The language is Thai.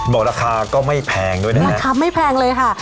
บอกราคาก็ไม่แพงด้วยนะครับราคาไม่แพงเลยค่ะ